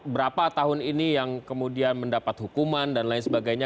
berapa tahun ini yang kemudian mendapat hukuman dan lain sebagainya